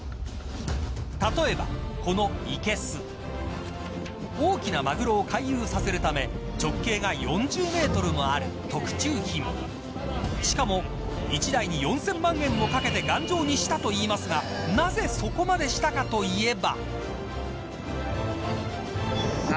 例えば、このいけす。大きなマグロを回遊させるため直径が４０メートルもある特注品しかも１台に４０００万円もかけて頑丈にしたといいますがなぜ、そこまでしたかといえば。